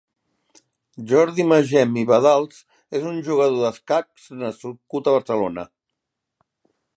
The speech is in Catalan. Jordi Magem i Badals és un jugador d'escacs nascut a Barcelona.